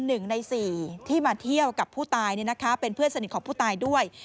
หนึ่งในสี่ที่มาเที่ยวกับผู้ตายเป็นเพื่อนสนิทของผู้ตายด้วย